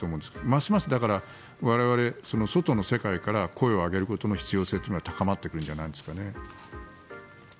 ますますだから我々は外の世界から声を上げることの必要性は高まっていくんじゃないですかね。